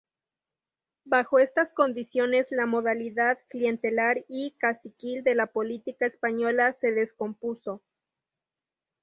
Bajo estas condiciones, la modalidad clientelar y caciquil de la política española se descompuso.